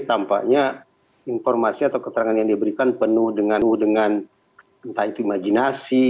tampaknya informasi atau keterangan yang diberikan penuh dengan entah itu imajinasi